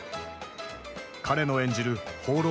彼の演じる放浪の紳士